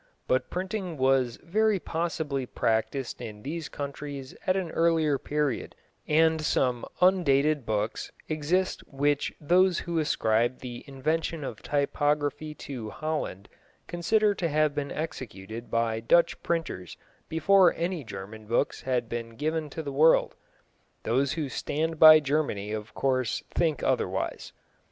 But printing was very possibly practised in these countries at an earlier period, and some undated books exist which those who ascribe the invention of typography to Holland consider to have been executed by Dutch printers before any German books had been given to the world. Those who stand by Germany of course think otherwise.